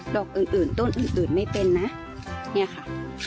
อกอื่นต้นอื่นไม่เป็นนะเนี่ยค่ะ